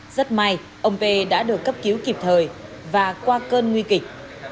rất may ông p đã được cấp cứu kịp thời và qua cơn nguy kịch